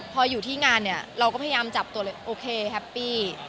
พออยู่ที่งานเนี่ยเราก็พยายามจับตัวเลยโอเคแฮปปี้